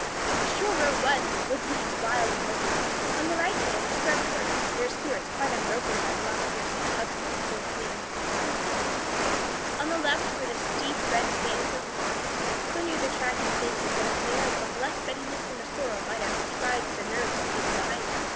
The shore road was "woodsy and wild and lonesome." On the right hand, scrub firs, their spirits quite unbroken by long years of tussle with the gulf winds, grew thickly. On the left were the steep red sandstone cliffs, so near the track in places that a mare of less steadiness than the sorrel might have tried the nerves of the people behind her.